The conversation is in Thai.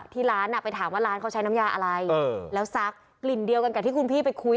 ที่ร้านไปถามว่าร้านเขาใช้น้ำยาอะไรแล้วซักกลิ่นเดียวกันกับที่คุณพี่ไปคุย